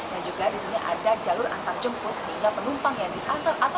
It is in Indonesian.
dan juga di sini ada jalur antarjemput sehingga penumpang yang dikantor ataupun dijemput dengan kendaraan pribadi